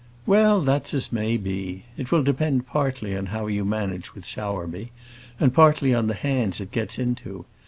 "Well, that's as may be. It will depend partly on how you manage with Sowerby, and partly on the hands it gets into.